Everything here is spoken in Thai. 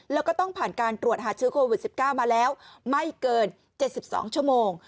แล้วก็ต้องผ่านการตรวจหาเชื้อโควิด๑๙มาแล้วไม่เกิน๗๒ชั่วโมง